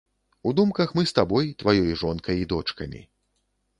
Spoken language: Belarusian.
У думках мы з табой, тваёй жонкай і дочкамі.